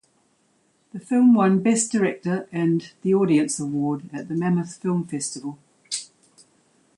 The film won best director and the audience award at the Mammoth Film Festival.